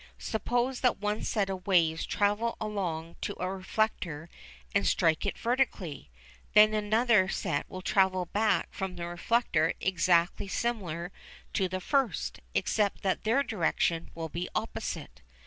Suppose that one set of waves travel along to a reflector and strike it vertically; then another set will travel back from the reflector exactly similar to the first, except that their direction will be opposite.